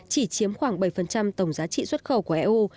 chỉ chiếm khoảng bảy tổng giá trị xuất khẩu của eu